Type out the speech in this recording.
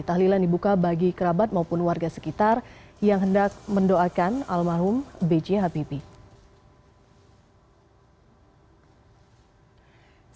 tahlilan dibuka bagi kerabat maupun warga sekitar yang hendak mendoakan almarhum b j habibie